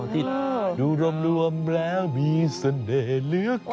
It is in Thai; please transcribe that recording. อ๋อที่ดูรวมแล้วมีเสน่ห์เหลือเกิด